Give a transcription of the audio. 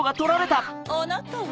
あなたは？